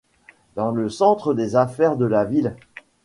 Dans le centre des affaires de la ville.